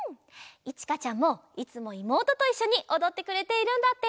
いちかちゃんもいつもいもうとといっしょにおどってくれているんだって。